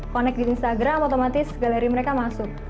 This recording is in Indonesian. connect di instagram otomatis galeri mereka masuk